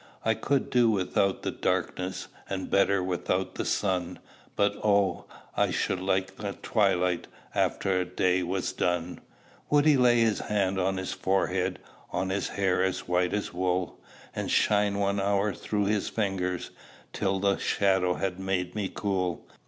"I could do without the darkness, And better without the sun; But, oh, I should like a twilight After the day was done! Would he lay his hand on his forehead, On his hair as white as wool, And shine one hour through his fingers, Till the shadow had made me cool?